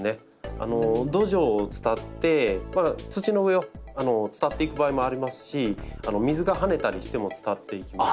土壌を伝って土の上を伝っていく場合もありますし水がはねたりしても伝っていきますし。